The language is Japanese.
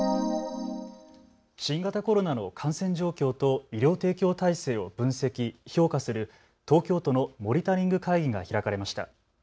新型コロナの感染状況と医療提供体制を分析・評価する東京都のモニタリング会議が開かれました。